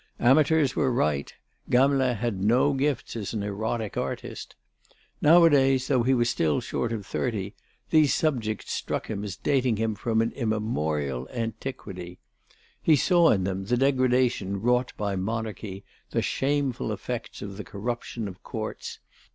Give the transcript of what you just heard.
Amateurs were right: Gamelin had no gifts as an erotic artist. Nowadays, though he was still short of thirty, these subjects struck him as dating from an immemorial antiquity. He saw in them the degradation wrought by Monarchy, the shameful effects of the corruption of Courts.